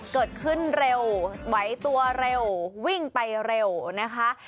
เกิดขึ้นเร็วไหวตัวเร็ววิ่งไปเร็วนะคะ